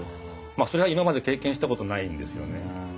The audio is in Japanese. まあそれは今まで経験したことないんですよね。